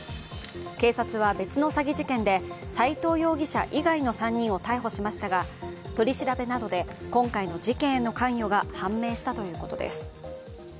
警察は別の詐欺事件で斎藤容疑者以外の４人を逮捕しましたが、取り調べなどで今回の事件への関与が判明したということです。